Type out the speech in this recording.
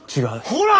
ほら！